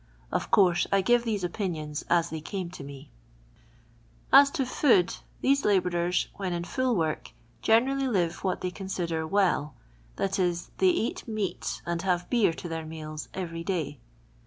Of course I give these opinions as they came to me. Aii to Food, these labourers, when in full work, generally live what they consider well; that is, they eat meat and have beer to their meals every day.